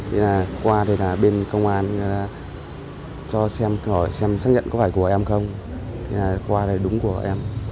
thì là qua bên công an cho xem xác nhận có phải của em không thì là qua đây đúng của em